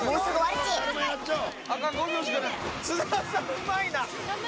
うまいな！